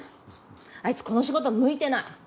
あいつこの仕事向いてない。